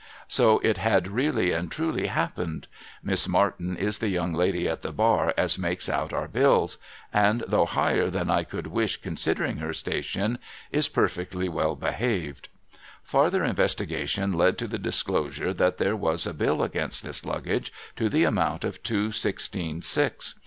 So it had really and truly happened. Miss Martin is the young lady at the bar as makes out our bills ; and though higher than I could wish considering her station, is perfectly well behaved. Farther investigations led to the disclosure that there was a bill against this Luggage to the amount of two sixteen six.